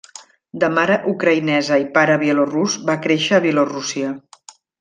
De mare ucraïnesa i pare bielorús, va créixer a Bielorússia.